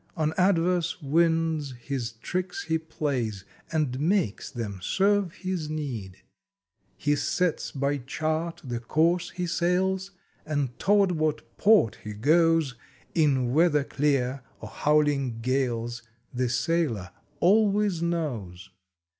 On adverse winds his tricks he piays, And makes them serve his need! He sets by chart the course he sails, And toward what Port he gees In weather clear, or howling gales, The Sailor always knows!